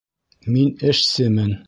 Мин эшсемен